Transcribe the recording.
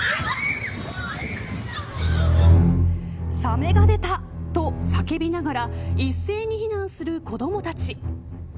サメが出たと叫びながら一斉に避難する子どもたち。